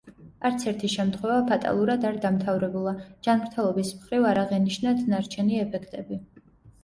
არცერთი შემთხვევა ფატალურად არ დამთავრებულა, ჯანმრთელობის მხრივ არ აღენიშნათ ნარჩენი ეფექტები.